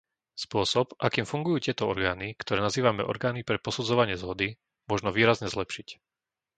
Spôsob, akým fungujú tieto orgány, ktoré nazývame orgány pre posudzovanie zhody, možno výrazne zlepšiť.